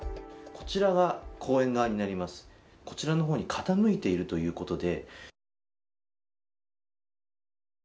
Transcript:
こちらの方に傾いているということで。